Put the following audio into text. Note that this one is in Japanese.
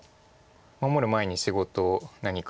守る前に仕事を何かできれば。